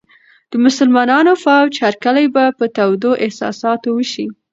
د مسلمان فوج هرکلی به په تودو احساساتو وشي.